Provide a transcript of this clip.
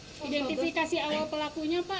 ratifikasi awal pelakunya pak